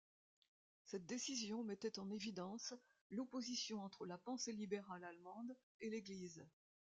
Cette décision mettait en évidence l'opposition entre la pensée libérale allemande et l'Église.